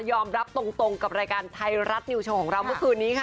ยอมรับตรงกับรายการไทยรัฐนิวโชว์ของเราเมื่อคืนนี้ค่ะ